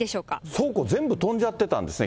倉庫全部飛んじゃってたんですね。